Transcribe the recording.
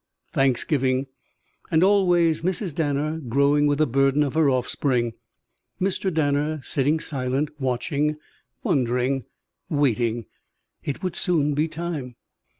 Thanksgiving. And always Mrs. Danner growing with the burden of her offspring. Mr. Danner sitting silent, watching, wondering, waiting. It would soon be time.